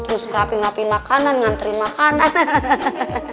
terus rapi rapi makanan ngantri makanan